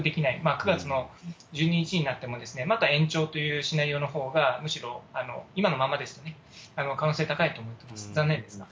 ９月の１２日になっても、また延長というシナリオのほうが、むしろ今のままですとね、可能性高いと思ってます、残念ですが。